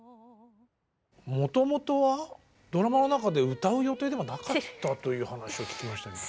もともとはドラマの中で歌う予定ではなかったという話を聞きましたけど。